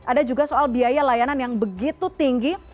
ada juga soal biaya layanan yang begitu tinggi